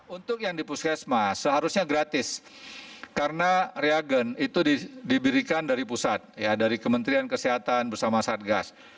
untuk yang di puskesmas seharusnya gratis karena reagen itu diberikan dari pusat dari kementerian kesehatan bersama satgas